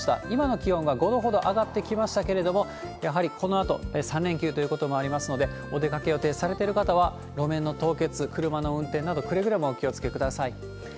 今の気温が５度ほど上がってきましたけれども、やはりこのあと３連休ということもありますので、お出かけ予定されてる方は、路面の凍結、車の運転など、くれぐれもお気をつけください。